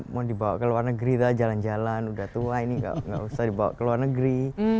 mau dibawa ke luar negeri dah jalan jalan udah tua ini gak usah dibawa ke luar negeri